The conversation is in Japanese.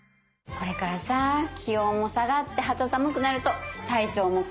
これからさ気温も下がって肌寒くなると体調も崩れがちになるよね。